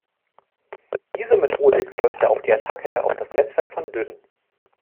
Dieser Methodik folgte auch die Attacke auf das Netzwerk von Dyn.